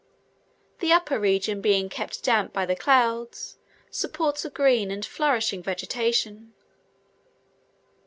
The upper region being kept damp by the clouds, supports a green and flourishing vegetation.